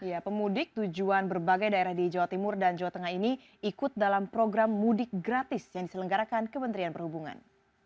ya pemudik tujuan berbagai daerah di jawa timur dan jawa tengah ini ikut dalam program mudik gratis yang diselenggarakan kementerian perhubungan